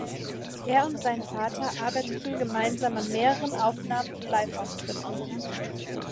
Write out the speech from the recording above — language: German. Er und sein Vater arbeiteten gemeinsam an mehreren Aufnahmen und Live-Auftritten.